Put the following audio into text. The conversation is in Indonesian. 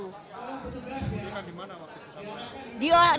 dia kan di mana waktu itu